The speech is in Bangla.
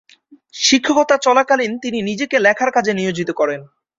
শিক্ষকতা চলাকালীন তিনি নিজেকে লেখার কাজে নিয়োজিত করেন।